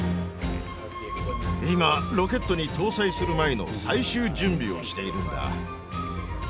今ロケットに搭載する前の最終準備をしているんだ。